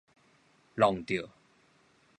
挵著